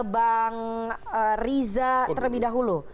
bang riza terlebih dahulu